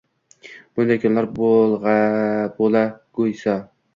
Bunday kunlar bo‘lag‘oysa